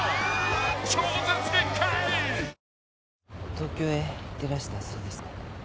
東京へ行ってらしたそうですね？